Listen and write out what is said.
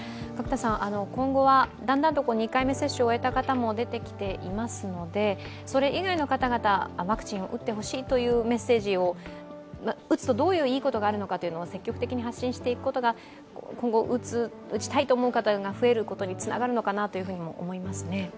今後は、だんだん２回目接種を終えた方も出てきてますのでそれ以外の方々、ワクチンを打ってほしいというメッセージを、打つとどういういいことがあるかを積極的に発信していくことが増えることにつながるのかなというふうにも思いますね。